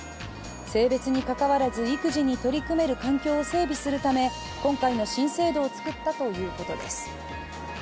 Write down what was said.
性別にかかわらず、育児に取り組める環境を整備するため、今回の新制度を作ったということです。